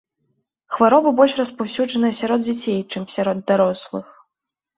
Хвароба больш распаўсюджаная сярод дзяцей, чым сярод дарослых.